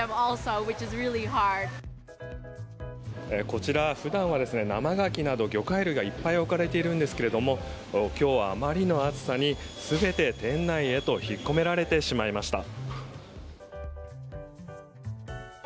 こちら普段は生ガキなど魚介類がいっぱい置かれているんですけれども今日はあまりの暑さに全て店内へと引っ込められてしまいました。